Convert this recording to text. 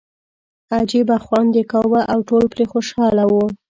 عجیبه خوند یې کاوه او ټول پرې خوشاله وو.